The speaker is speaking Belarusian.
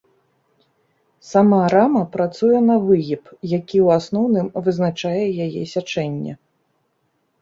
Сама рама працуе на выгіб, які ў асноўным вызначае яе сячэнне.